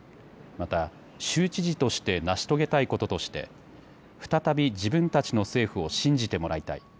また州知事として成し遂げたいこととして再び自分たちの政府を信じてもらいたい。